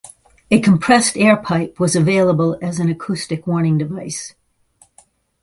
A compressed air pipe was available as an acoustic warning device.